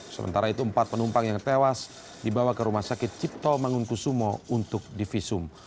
sementara itu empat penumpang yang tewas dibawa ke rumah sakit cipto mangunkusumo untuk divisum